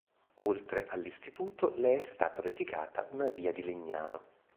Oltre all'istituto, le è stata dedicata una via di Legnano.